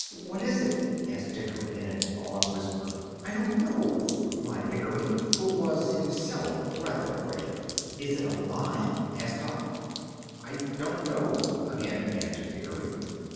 "What is it?" asked Dickory, in an awed whisper. "I don't know," replied Hickory, who was himself rather afraid. "Is it alive?" asked Dock. "I don't know," again answered Hickory.